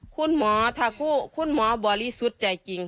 คุณหมอถ้าคู่คุณหมอบริสุทธิ์ใจจริง